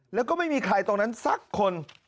แล้วก็ไม่มีใครตรงนั้นสักคน